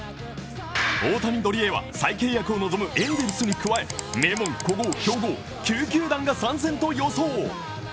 大谷獲りは再契約を望むエンゼルスに加え、名門、古豪、強豪、９球団が参戦と予想。